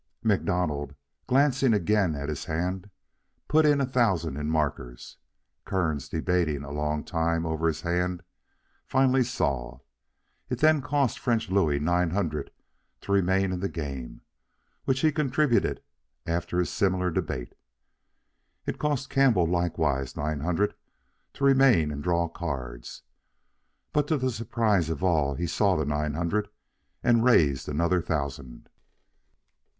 MacDonald, glancing again at his hand, put in a thousand in markers. Kearns, debating a long time over his hand, finally "saw." It then cost French Louis nine hundred to remain in the game, which he contributed after a similar debate. It cost Campbell likewise nine hundred to remain and draw cards, but to the surprise of all he saw the nine hundred and raised another thousand.